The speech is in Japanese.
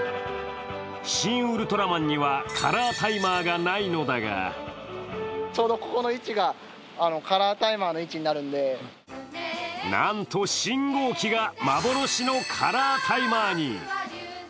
「シン・ウルトラマン」にはカラータイマーがないのだがなんと信号機が幻のカラータイマーに。